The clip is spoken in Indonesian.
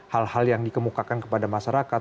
hal hal yang dikemukakan kepada masyarakat